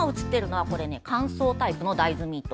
乾燥タイプの大豆ミート